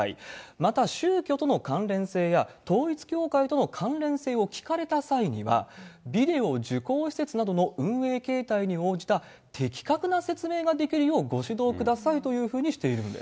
また宗教との関連性や、統一教会との関連性を聞かれた際には、ビデオ受講施設などの運営形態に応じた的確な説明ができるようご指導くださいというふうにしているんです。